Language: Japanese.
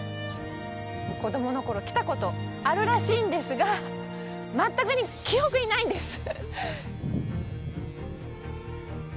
子供のころ来たことあるらしいんですが全く記憶にないんです。